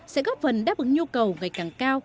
sẽ góp phần đáp ứng nhu cầu ngày càng cao